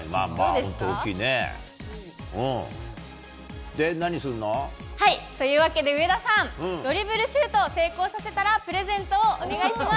大きいね。というわけで、上田さん、ドリブルシュートを成功させたら、プレゼントをお願いします。